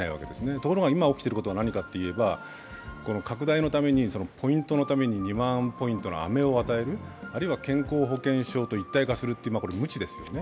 ところが今、起きていることは何かといえば、拡大のために、ポイントのために２万ポイントのあめを与えるあるいは健康保険証の義務化これはむちですよね。